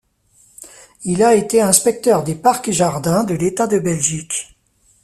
Il a été inspecteur des Parcs et Jardins de l'État de Belgique.